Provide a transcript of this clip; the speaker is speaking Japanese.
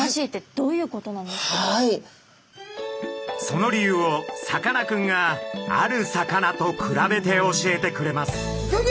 その理由をさかなクンがある魚と比べて教えてくれます。